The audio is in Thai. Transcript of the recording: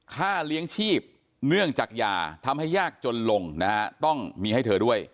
ค่าเลี้ยงชีพเนื่องจากยาทำให้ยากจนลงนะฮะต้องมีให้เธอด้วย